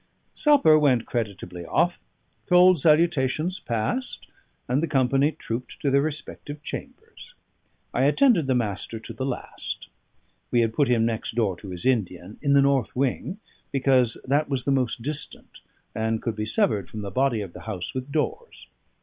Supper went creditably off, cold salutations passed, and the company trooped to their respective chambers. I attended the Master to the last. We had put him next door to his Indian, in the north wing; because that was the most distant and could be severed from the body of the house with doors.